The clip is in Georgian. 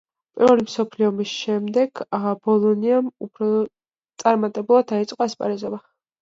პირველი მსოფლიო ომის შემდეგ, „ბოლონიამ“ უფრო წარმატებულად დაიწყო ასპარეზობა.